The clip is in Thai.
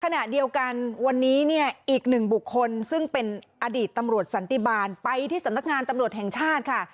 ขณะเดียวกันวันนี้เนี่ยอีกหนึ่งบุคคลซึ่งเป็นอดีตตำรวจสันติบาลไปที่สำนักงานตำรวจแห่งชาติค่ะ